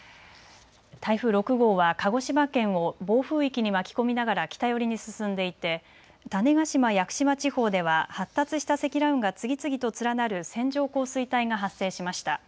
台風６号は鹿児島県を暴風域に巻き込みながら北寄りに進んでいて種子島・屋久島地方では発達した積乱雲が次々と連なる線状降水帯が発生しました。